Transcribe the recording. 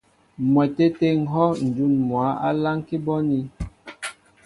M̀mwɛtê tê ŋ̀hɔ́ ǹjún mwǎ á láŋ bɔ́ anín.